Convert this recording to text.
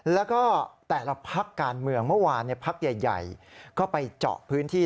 แล้วก็แต่ละพักการเมืองเมื่อวานพักใหญ่ก็ไปเจาะพื้นที่